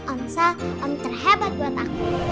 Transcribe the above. om sal om terhebat buat aku